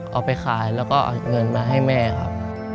เอาไปขายแล้วก็เอาเงินมาให้แม่ครับ